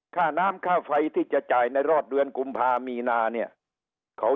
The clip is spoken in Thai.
ค่าน้ำค่าไฟที่จะจ่ายในรอบเดือนกุมภามีนาเนี่ยเขา